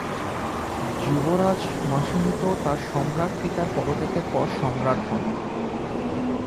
যুবরাজ মাসাহিতো তার সম্রাট পিতার পদত্যাগের পর সম্রাট হন।